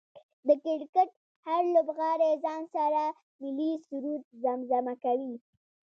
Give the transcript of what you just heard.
د کرکټ هر لوبغاړی ځان سره ملي سرود زمزمه کوي